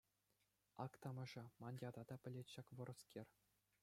Ак тамаша, ман ята та пӗлет ҫак вӑрӑскер.